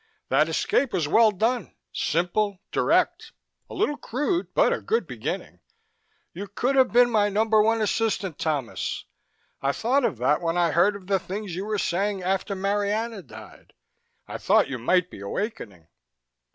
That escape was well done simple, direct. A little crude, but a good beginning. You could have been my number one assistant, Thomas. I thought of that when I heard of the things you were saying after Marianna died I thought you might be awaking."